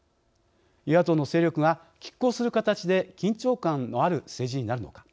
与野党の勢力がきっ抗する形で緊張感のある政治になるのか。